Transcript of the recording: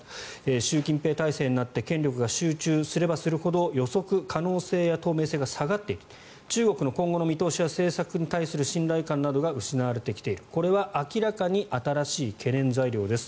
習近平体制になって権力が集中すればするほど予測可能性や透明性が下がっていて中国の今後の見通しや政策に対する信頼感などが失われてきているこれは明らかに新しい懸念材料です。